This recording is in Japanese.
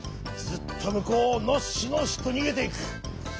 ずっとむこうをのっしのっしとにげていく。